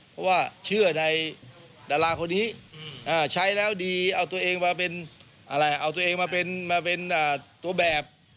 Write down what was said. เพราะว่าเชื่อในดาราคนนี้ใช้แล้วดีเอาตัวเองมาเป็นตัวแบบ